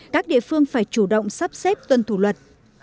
các địa phương phải chủ động sắp xếp tuân thủ luật